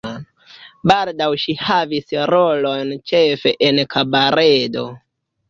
Baldaŭ ŝi havis rolojn ĉefe en kabaredo.